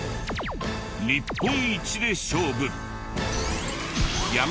日本一で勝負。